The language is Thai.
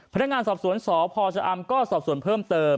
พนักงานสอบสวนสพชะอำก็สอบส่วนเพิ่มเติม